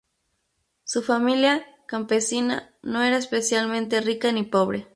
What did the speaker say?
Su familia, campesina, no era especialmente rica ni pobre.